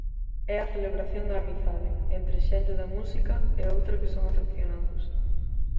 É a celebración da amizade, entre xente da música e outra que son afeccionados.